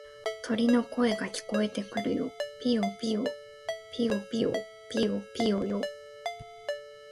鳥の声が聞こえてくるよ。ぴよぴよ、ぴよぴよ、ぴよぴよよ。